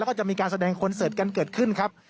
แล้วก็จะมีการแสดงคอนเสิร์ตกันเกิดขึ้นครับ